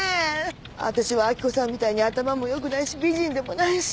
わたしは明子さんみたいに頭も良くないし美人でもないし。